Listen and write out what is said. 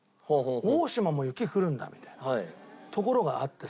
大島も雪降るんだみたいなところがあってさ。